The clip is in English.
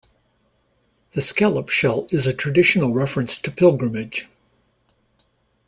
The scallop shell is a traditional reference to pilgrimage.